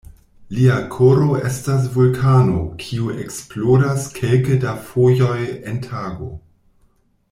Lia koro estas vulkano, kiu eksplodas kelke da fojoj en tago.